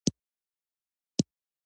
زه د ښه ملګري معیار لرم.